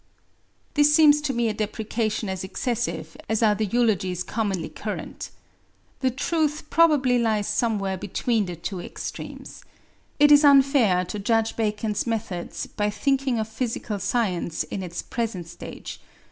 This seems to me a depreciation as excessive as are the eulogies commonly current. The truth probably lies somewhere between the two extremes. It is unfair to judge Bacon's methods by thinking of physical science in its present stage.